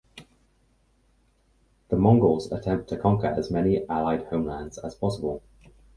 The Mongols attempt to conquer as many Allied homelands as possible.